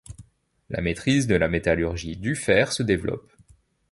La maitrise de la métallurgie du fer se développe.